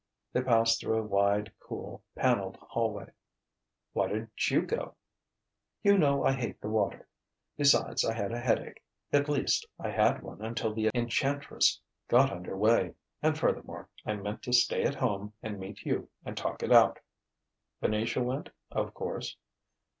They passed through a wide, cool, panelled hallway. "Why didn't you go?" "You know I hate the water. Besides, I had a headache at least, I had one until the Enchantress got under way; and furthermore I meant to stay at home and meet you and talk it out." "Venetia went, of course?"